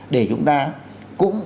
để chúng ta cũng